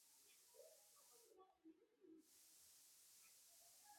آیا د کاناډا په ختیځ کې کب نه نیول کیدل؟